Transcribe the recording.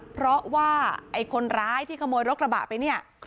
เพราะว่าคนร้ายที่ขโมยรถกระบะไป